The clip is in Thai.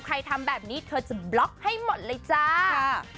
ทำแบบนี้เธอจะบล็อกให้หมดเลยจ้า